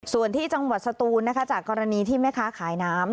ส่วนที่จังหวัดสตูนนะคะจากกรณีที่แม่ค้าขายน้ำ